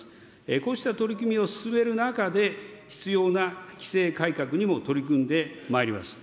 こうした取り組みを進める中で、必要な規制改革にも取り組んでまいります。